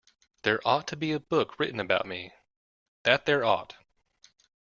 There ought to be a book written about me, that there ought!